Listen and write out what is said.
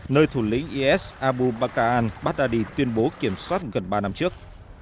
nơi thủ lĩnh is abu bakr al baghdadi tuyên bố kiểm soát gần ba năm trước